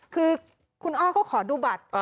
คือคุณอ้อเขาขอดูบัตร